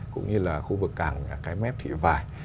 cũng như là khu vực cảng cái mép thị vải